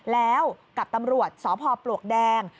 แล้วกับตำรวจสพปลวกแดง